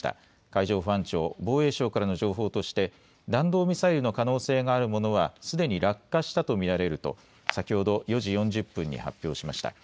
海上保安庁、防衛省からの情報として弾道ミサイルの可能性があるものはすでに落下したと見られると先ほど４時４０分に発表しました。